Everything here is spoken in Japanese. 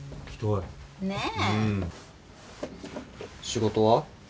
仕事は？